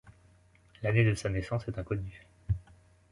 L'année de sa naissance est inconnue.